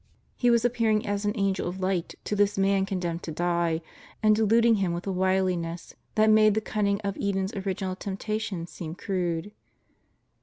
He was appearing as an Angel of Light to this man condemned to die and deluding him with a wiliness that makes the cunning of Eden's original temptation seem crude.